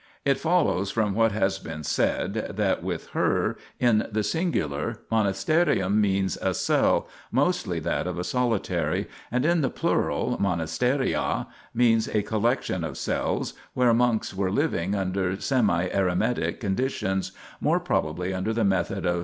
It follows from what has been said that with her in the singular monasterium means a cell, mostly that of a solitary, and in the plural monasteria means a collection of cells, where monks were living under semi eremetic conditions, more probably under the method of S.